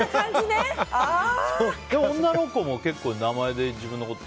でも、女の子も結構、名前で自分のこと。